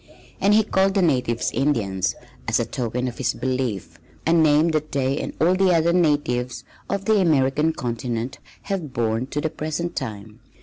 And he called the natives "Indians," as a token of his belief a name that they and all the other natives of the American continent have borne to the present time.